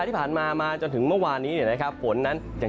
ก็ไม่สามารถที่จะดับร้อนได้